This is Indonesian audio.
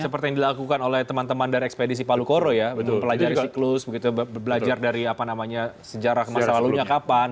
seperti yang dilakukan oleh teman teman dari ekspedisi palu koro ya mempelajari siklus belajar dari apa namanya sejarah masa lalunya kapan